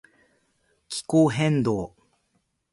気候変動